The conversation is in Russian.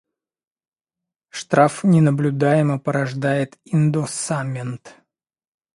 Штраф ненаблюдаемо порождает индоссамент